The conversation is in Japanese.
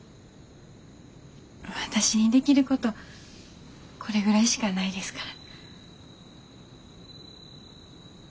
私にできることこれぐらいしかないですから。